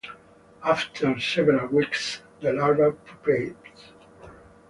After several weeks, the larva pupates.